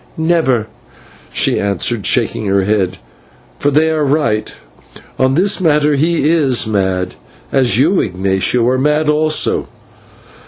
"Never," she answered, shaking her head, "for they are right; on this matter he is mad, as you, Ignatio, are mad also.